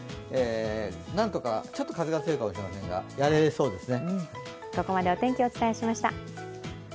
何とか、ちょっと風が強いかもしれませんが、やれそうですね。